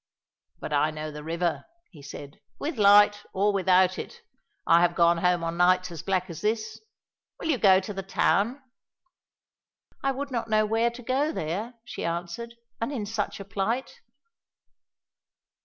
"But I know the river," he said, "with light or without it. I have gone home on nights as black as this. Will you go to the town?" "I would not know where to go to there," she answered, "and in such a plight."